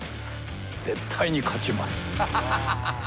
絶対に勝ちます！